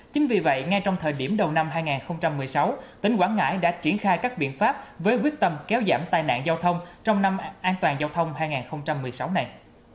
chính vì vậy ngay trong thời điểm đầu năm hai nghìn một mươi sáu tỉnh quảng ngãi đã triển khai các biện pháp với quyết tâm kéo giảm tai nạn giao thông trong năm an toàn giao thông hai nghìn một mươi sáu này